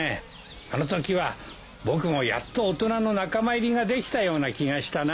あのときは僕もやっと大人の仲間入りができたような気がしたな。